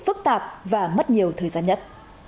phức tạp và mất nhiều thời gian nhất